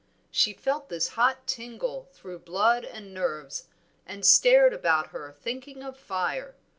She felt this hot tingle through blood and nerves, and stared about her thinking of fire.